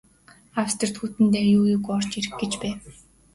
Австрид Хүйтэн дайн юу юугүй орж ирэх гэж байв.